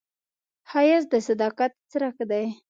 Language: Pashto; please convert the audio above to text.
ښایست د صداقت څرک دی